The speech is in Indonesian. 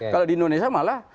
kalau di indonesia malah